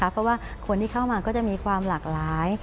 เพราะว่าคนที่เข้ามาก็จะมีความหลากหลาย